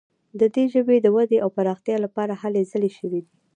د دې ژبې د ودې او پراختیا لپاره هلې ځلې شوي دي.